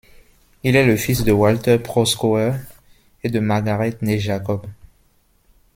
Il est le fils de Walter Proskauer et de Margarete née Jacob.